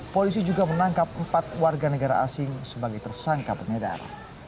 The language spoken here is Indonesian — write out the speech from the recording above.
polisi juga menangkap empat warga negara asing sebagai tersangka pengedar